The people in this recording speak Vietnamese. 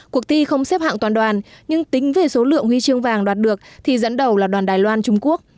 cuộc thi không xếp hạng toàn đoàn nhưng tính về số lượng huy chương vàng đạt được thì dẫn đầu là đoàn đài loan trung quốc